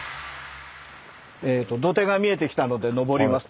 土手が見えてきたので上ります。